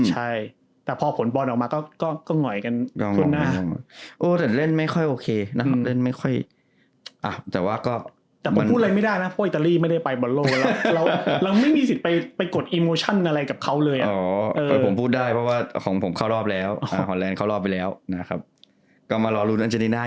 ใช่แต่พอผลปอนด์ออกมาก็หง่วย